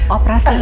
operasi itu apa